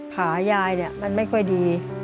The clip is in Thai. ขายายเนี่ยมันไม่ค่อยดี